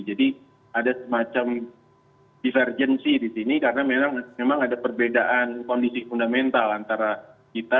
jadi ada semacam divergenci di sini karena memang ada perbedaan kondisi fundamental antara kita